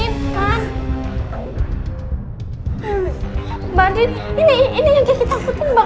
mbak andin ini ini yang kita butuh mbak